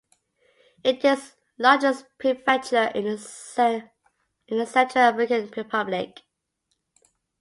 It is the largest prefecture in the Central African Republic.